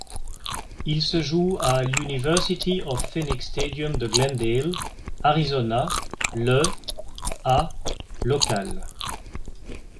Il se joue à l'University of Phoenix Stadium de Glendale, Arizona le à locales.